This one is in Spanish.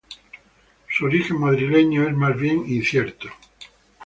Su origen madrileño es más bien incierto.